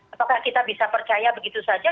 apakah kita bisa percaya begitu saja